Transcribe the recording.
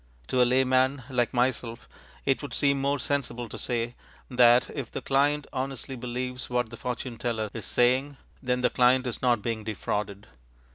To a layman like myself it would seem more sensible to say that, if the client honestly believes what the fortune teller is saying, then the client is not being defrauded.